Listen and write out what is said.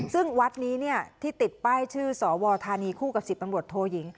ซึ่งวัดนี้เนี่ยที่ติดป้ายชื่อสอวอธานีคู่กับศิษย์ตำรวจโทหยิง